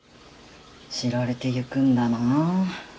知られていくんだなあ。